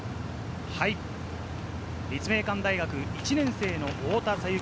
立命館大学１年生の太田咲雪。